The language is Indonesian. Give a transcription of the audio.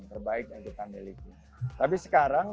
terbaik yang kita miliki tapi sekarang